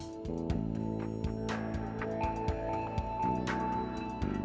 เห็นหัวถุงของสวัสดีครับ